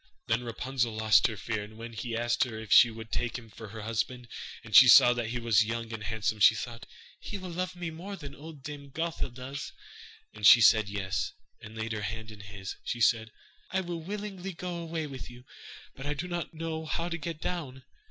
Then Rapunzel lost her fear, and when he asked her if she would take him for her husband, and she saw that he was young and handsome, she thought: 'He will love me more than old Dame Gothel does'; and she said yes, and laid her hand in his. She said: 'I will willingly go away with you, but I do not know how to get down.